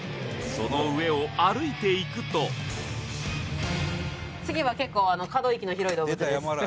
その上を歩いていくと次は結構可動域の広い動物です